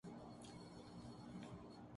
ہمارا یقین ہے ضرور لیگا